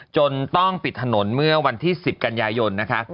จนต้องปิดถนนเมื่อวันที่๑๐กันยายนนะคะ